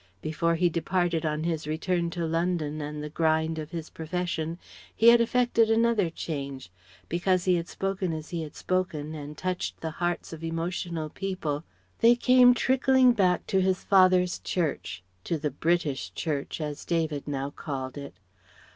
Before he departed on his return to London and the grind of his profession, he had effected another change. Because he had spoken as he had spoken and touched the hearts of emotional people, they came trickling back to his father's church, to the "British" Church, as David now called it.